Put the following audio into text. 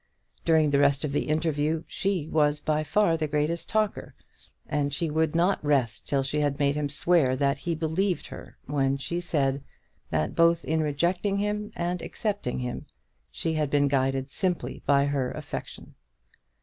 During the rest of the interview she was by far the greatest talker, and she would not rest till she had made him swear that he believed her when she said, that both in rejecting him and accepting him, she had been guided simply by her affection.